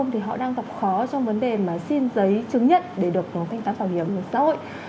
thì họ đang gặp khó trong vấn đề xin giấy chứng nhận để được kinh tán bảo hiểm xã hội